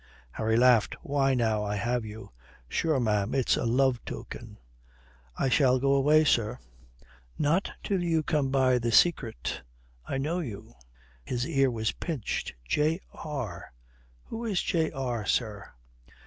Harry laughed. "Why, now I have you. Sure, ma'am, it's a love token." "I shall go away, sir." "Not till you come by the secret. I know you." His ear was pinched. "J.R. Who is J.R., sir?"